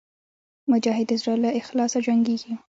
مجاهد د زړه له اخلاصه جنګېږي.